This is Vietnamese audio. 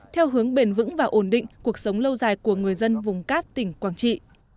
theo hướng bền vững và ổn định cuộc sống lâu dài của người dân vùng cát tỉnh quảng trị